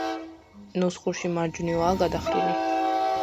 ნუსხურში მარჯვნივაა გადახრილი.